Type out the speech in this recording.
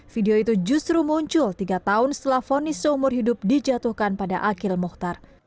video itu justru muncul tiga tahun setelah foniso umur hidup dijemput